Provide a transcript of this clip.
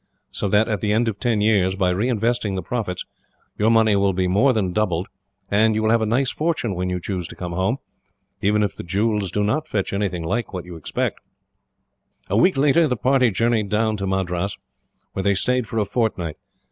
So that, at the end of ten years, by reinvesting the profits, your money will be more than doubled, and you will have a nice fortune when you choose to come home, even if the jewels do not fetch anything like what you expect." A week later the party journeyed down to Madras, where they stayed for a fortnight.